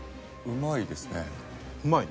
うまいですね。